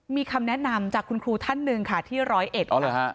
มีคำแนะนำจากคุณครูท่านหนึ่งค่ะที่ร้อยเอ็ดอ๋อเหรอฮะ